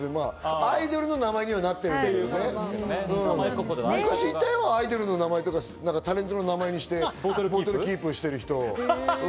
アイドルの名前にはなってるけど、昔いたよ、アイドルの名前とかタレントの名前にしてボトルキープしてる人。